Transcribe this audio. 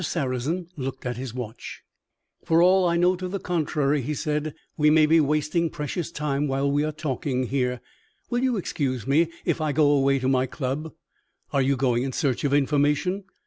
Sarrazin looked at his watch. "For all I know to the contrary," he said, "we may be wasting precious time while we are talking here. Will you excuse me if I go away to my club?" "Are you going in search of information?"